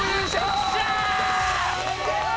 よっしゃー！